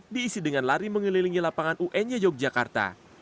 diisi dengan lari mengelilingi lapangan uny yogyakarta